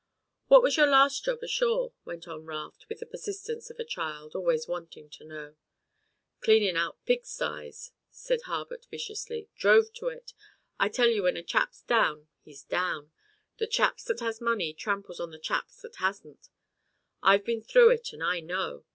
"What was your last job ashore?" went on Raft with the persistence of a child, always wanting to know. "Cleanin' out pig sties," said Harbutt viciously. "Drove to it. I tell you when a chap's down he's down, the chaps that has money tramples on the chaps that hasn't. I've been through it and I know.